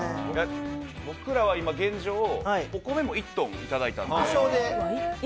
僕らは現状、お米も１トンいただいたんですよ。